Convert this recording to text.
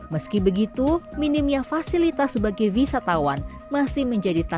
meski begitu minimnya fasilitas sebagai wisatawan masih menjadi tantangan